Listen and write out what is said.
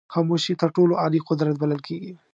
خاموشي تر ټولو عالي قدرت بلل کېږي.